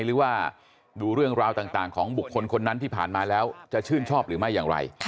หรือว่าดูเรื่องราวต่างของบุคคลคนนั้นที่ผ่านมาแล้วจะชื่นชอบหรือไม่อย่างไร